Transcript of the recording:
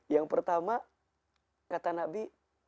yang pertama kata nabi